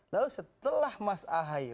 lalu setelah mas ahaye